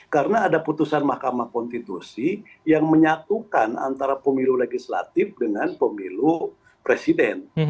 karena ada putusan mahkamah konstitusi yang menyatukan antara pemilu legislatif dengan pemilu presiden